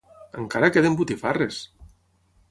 Encara queden botifarres!